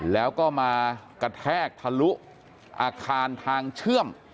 แล้วก็มากระแทกทะลุอาคารทางเชื่อม